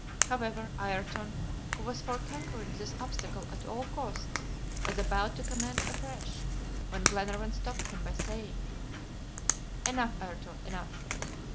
However, Ayrton, who was for conquering this obstacle at all costs, was about to commence afresh, when Glenarvan stopped him by saying: "Enough, Ayrton, enough.